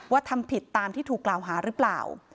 ทำผิดตามที่ถูกกล่าวหาหรือเปล่า